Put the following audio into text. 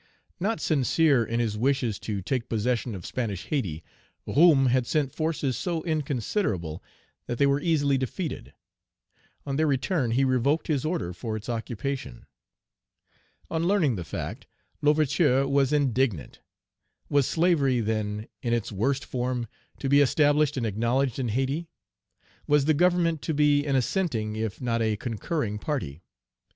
Not sincere in his wishes to take possession of Spanish Hayti, Roume had sent forces so inconsiderable, that they were easily defeated. On their return, he revoked his order for its occupation. On learning the fact, L'Ouverture was indignant. Was slavery, then, in its worst form, to be established and acknowledged in Hayti? Was the Government to be an assenting, if not a concurring, party?